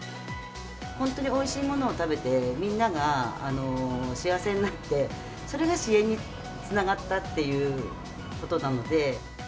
本当においしいものを食べて、みんなが幸せになって、それが支援につながったっていうことなので。